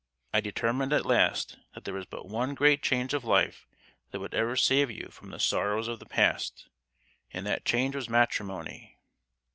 I determined at last that there was but one great change of life that would ever save you from the sorrows of the past, and that change was matrimony!